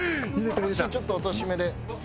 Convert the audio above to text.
腰ちょっと落としめで。